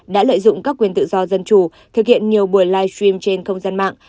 đã lợi dụng các quyền tự do dân chủ thực hiện nhiều buổi live stream trên không gian mạng